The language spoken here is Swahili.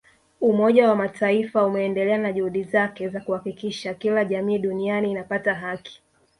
Umoja wa Mataifa umeendelea na juhudi zake za kuhakikisha kila jamii duniani inapata haki